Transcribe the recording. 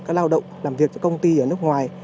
các lao động làm việc cho công ty ở nước ngoài